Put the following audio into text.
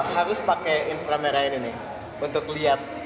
harus pakai infra merah ini nih untuk lihat